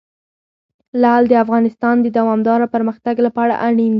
لعل د افغانستان د دوامداره پرمختګ لپاره اړین دي.